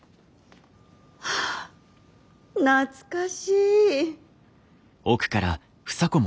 懐かしい。